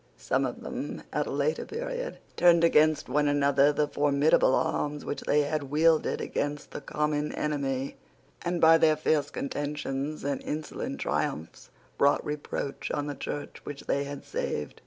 Some of them, at a later period, turned against one another the formidable arms which they had wielded against the common enemy, and by their fierce contentions and insolent triumphs brought reproach on the Church which they had saved.